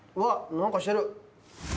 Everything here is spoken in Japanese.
何かしてる！